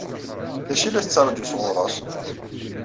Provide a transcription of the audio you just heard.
D acu i la tettṛaǧu sɣur-s?